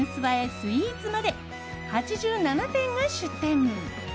スイーツまで８７店が出店。